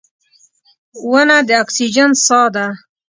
• ونه د اکسیجن ساه ده.